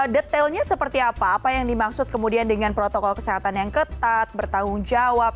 detailnya seperti apa apa yang dimaksud kemudian dengan protokol kesehatan yang ketat bertanggung jawab